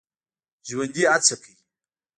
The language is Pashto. ژوندي هڅه کوي